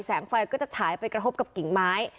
ไฟก็จะฉายไปกระทบกับกิ่งไม้